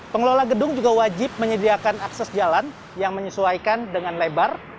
pengelola gedung juga wajib menyediakan akses jalan yang menyesuaikan dengan lebar